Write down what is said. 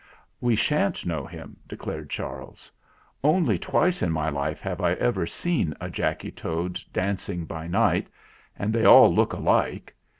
"We sha'n't know him," declared Charles. "Only twice in my life have I ever seen a Jacky Toad dancing by night; and they all look alike.